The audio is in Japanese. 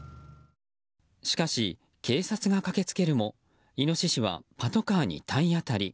しかし、警察が駆けつけるもイノシシはパトカーに体当たり。